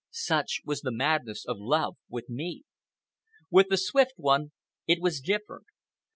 Such was the madness of love...with me. With the Swift One it was different.